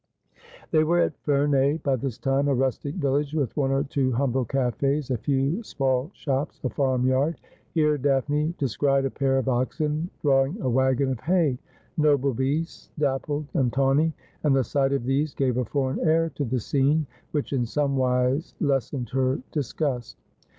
They were at Ferney by this time, a rustic village with one or two humble cafes, a few small shops, a farm yard. Here Daphne descried a pair of oxen drawing a waggon of hay — noble beasts, dappled and tawny — and the sight of these gave a foreign air to the scene which in some wise lessened her dis gust.